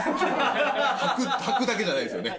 はくだけじゃないんですよね。